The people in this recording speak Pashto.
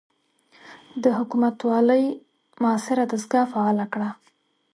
د حکومتوالۍ معاصره دستګاه فعاله کړه.